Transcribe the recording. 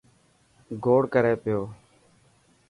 گوڙ ڪري پيو.